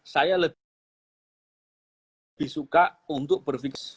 saya lebih suka untuk berpikir